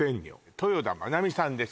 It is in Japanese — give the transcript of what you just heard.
豊田真奈美さんです